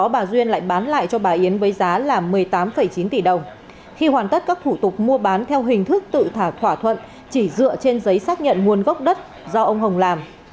bà yến đã mua bán theo hình thức tự thả thỏa thuận chỉ dựa trên giấy xác nhận nguồn gốc đất do ông hồng làm